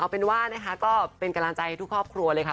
เป็นว่านะคะก็เป็นกำลังใจทุกครอบครัวเลยค่ะ